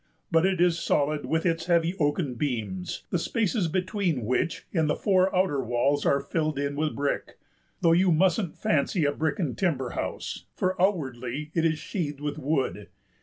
But it is solid with its heavy oaken beams, the spaces between which in the four outer walls are filled in with brick, though you mustn't fancy a brick and timber house, for outwardly it is sheathed with wood.